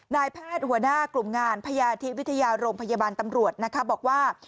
นายแพทย์หัวหน้ากลุ่มงานพยาธิวิทยาโรงพยาบาลตำรวจนะคะบอกว่า